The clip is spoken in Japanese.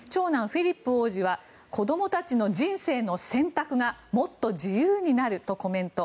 フィリップ王子は子供たちの人生の選択がもっと自由になるとコメント。